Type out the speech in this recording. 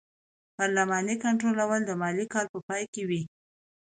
پارلماني کنټرول د مالي کال په پای کې وي.